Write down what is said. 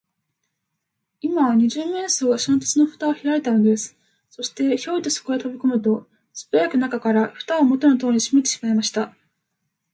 今、二十面相は、その鉄のふたをひらいたのです。そして、ヒョイとそこへとびこむと、すばやく中から、ふたをもとのとおりにしめてしまいました。